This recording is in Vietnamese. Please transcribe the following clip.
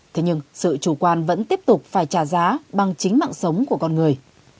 thế nhưng sự chủ quan vẫn tiếp tục phải trả giá bằng chính mạng sống của con người